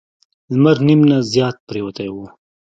لمر نیم نه زیات پریوتی و.